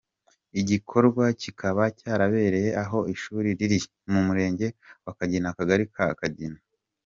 Iki gikorwa kikaba cyarabereye aho ishuri riri mu murenge wa Kagina akagari ka Kagina.